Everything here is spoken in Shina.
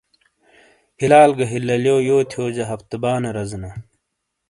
ہیلال گہ ہیلیالیو یو تھیوجہ ہفت بانے رزینا۔